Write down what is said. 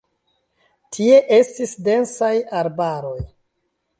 Tie estis densaj arbaroj.